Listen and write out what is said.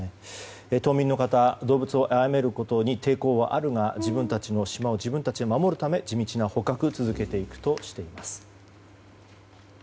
島民の方動物をあやめることに抵抗はあるが、自分たちの島を自分たちで守るため地道な捕獲を続けていくとしています。